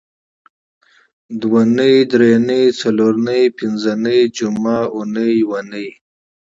دونۍ درېنۍ څلرنۍ پینځنۍ جمعه اونۍ یونۍ